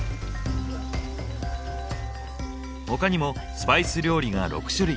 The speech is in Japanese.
他にもスパイス料理が６種類。